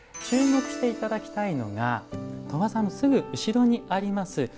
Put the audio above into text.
注目していただきたいのが鳥羽さんのすぐ後ろにあります